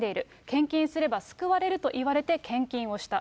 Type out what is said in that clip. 献金すれば救われると言われて献金をした。